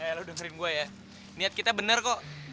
eh lo dengerin gue ya niat kita benar kok